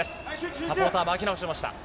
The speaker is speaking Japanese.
サポーターを巻き直しました。